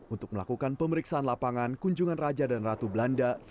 untuk melakukan pemeriksaan lapangan kunjungan raja dan ratu belanda